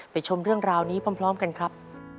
ชมเรื่องราวนี้พร้อมกันครับ